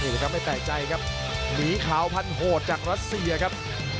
แน่แจกนิขาวพันธุ์โหดจากรัสเซียครับ